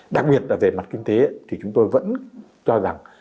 đặc biệt là về mặt kinh tế thì chúng tôi vẫn cho rằng